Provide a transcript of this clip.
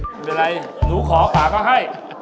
ไม่เป็นไรหนูขอป่าก็ให้